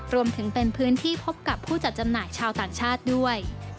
รวมถึงเป็นพื้นที่พบกับผู้จัดจำหน่ายชาวต่างชาติด้วย